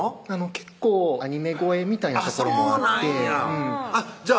結構アニメ声みたいなところもあってじゃあ